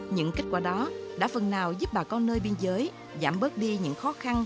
những kết quả đó đã phần nào giúp bà con nơi biên giới giảm bớt đi những khó khăn